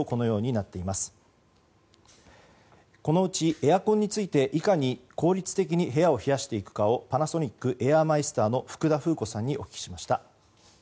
このうち、エアコンについていかに効率的に部屋を冷やしていくかをパナソニックエアーマイスターの福田風子さんにお聞きしました。